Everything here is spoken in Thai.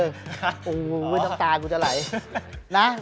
อุ้ยต้องกลายกูจะไหล